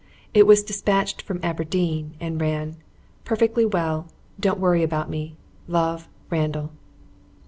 It was dispatched from Aberdeen and ran: "Perfectly well. Don't worry about me. Love. Randall."